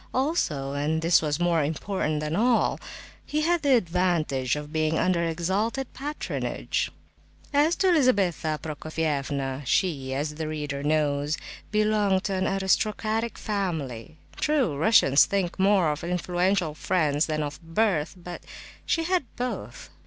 Also—and this was more important than all—he had the advantage of being under exalted patronage. As to Lizabetha Prokofievna, she, as the reader knows, belonged to an aristocratic family. True, Russians think more of influential friends than of birth, but she had both.